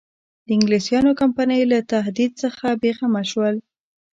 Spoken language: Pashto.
د انګلیسیانو کمپنۍ له تهدید څخه بېغمه شول.